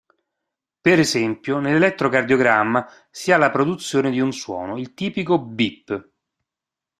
Per esempio nell'elettrocardiogramma si ha la produzione di un suono: il tipico "beep".